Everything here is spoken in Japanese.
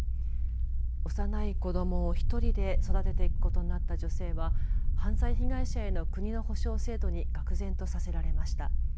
幼い子どもを１人で育てていくことになった女性は犯罪被害者への国の補償制度に愕然とさせられました。